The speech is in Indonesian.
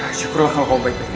ya syukurlah kamu baik baik saja